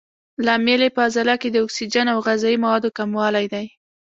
لامل یې په عضله کې د اکسیجن او غذایي موادو کموالی دی.